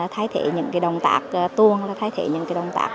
thay thế những cái động tác tuôn thay thế những cái động tác